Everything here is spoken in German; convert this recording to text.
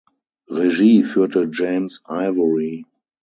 Regie führte James Ivory.